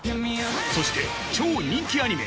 そして超人気アニメ